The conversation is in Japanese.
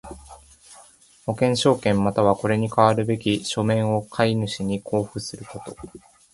保険証券又はこれに代わるべき書面を買主に交付すること。